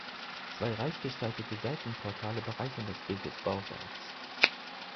Zwei reich gestaltete Seitenportale bereichern das Bild des Bauwerks.